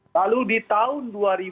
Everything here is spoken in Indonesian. lalu di tahun